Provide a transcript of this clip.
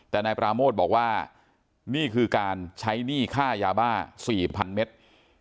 แต่นายปราโมทบอกว่านี่คือการใช้หนี้ค่ายาบ้า๔๐๐๐เมตร